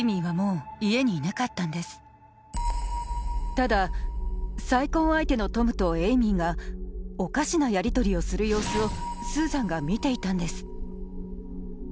ただ再婚相手のトムとエイミーがおかしなやりとりをする様子をスーザンが見ていたんです］